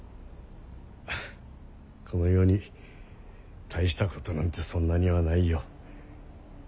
この世に大したことなんてそんなにはないよ。